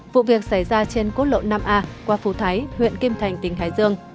vụ việc xảy ra trên cốt lộ năm a qua phú thái huyện kim thạnh tỉnh hải dương